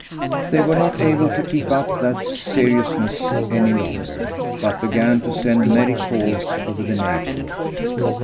They were not able to keep up that seriousness any longer, but began to send merry calls over the neighbourhood.